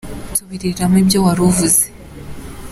nsubirirramo ibyo waruvuze.